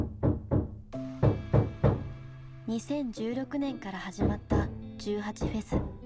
２０１６年から始まった１８祭。